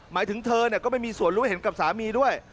ถึงเธอก็ไม่มีส่วนรู้เห็นกับสามีด้วย